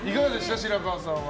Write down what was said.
白河さんは。